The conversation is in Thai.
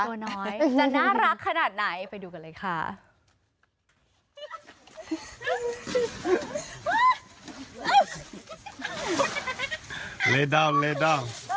ตัวน้อยจะน่ารักขนาดไหนไปดูกันเลยค่ะ